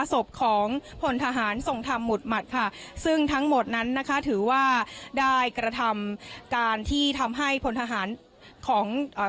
ศพของพลทหารทรงธรรมหุดหมัดค่ะซึ่งทั้งหมดนั้นนะคะถือว่าได้กระทำการที่ทำให้พลทหารของอ่า